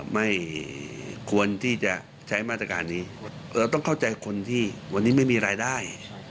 ไม่ควรที่จะใช้มาตรการนี้เราต้องเข้าใจคนที่วันนี้ไม่มีรายได้